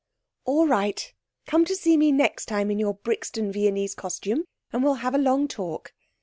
'All right, come to see me next time in your Brixton Viennese costume, and we'll have a long talk.